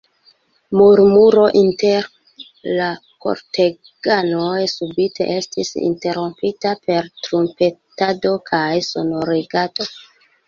Murmuro inter la korteganoj subite estis interrompita per trumpetado kaj sonorigado.